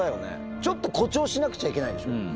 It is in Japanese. ちょっと誇張しなくちゃいけないでしょ。